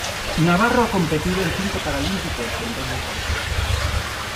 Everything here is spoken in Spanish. Navarro ha competido en cinco Paralímpicos en dos deportes.